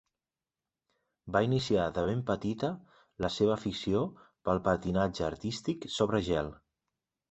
Va iniciar de ben petita la seva afició pel patinatge artístic sobre gel.